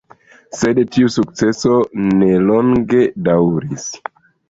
Sed tiu sukceso nelonge daŭris.